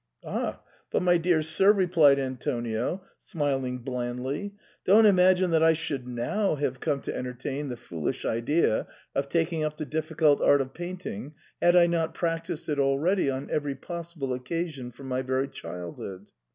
'*Ah! but, my dear sir," replied Antonio, smiling blandly, " don't imagine that I should now have come 76 SIGNOR FORMICA. to entertain the foolish idea of taking up the difficult art of painting had I not practised it already on every possible occasion from my very childhood.